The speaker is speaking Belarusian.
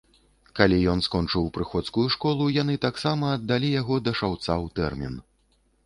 Калі ён скончыў прыходскую школу, яны таксама аддалі яго да шаўца ў тэрмін.